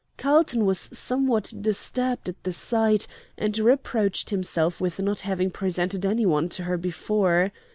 Carlton was somewhat disturbed at the sight, and reproached himself with not having presented any one to her before.